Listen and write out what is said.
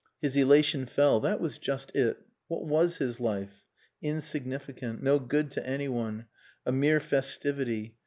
His elation fell. That was just it. What was his life? Insignificant; no good to anyone; a mere festivity.